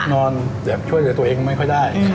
แบบช่วยเหลือตัวเองไม่ค่อยได้